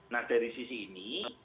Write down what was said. nah dari sisi ini